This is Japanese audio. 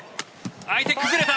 相手、崩れた。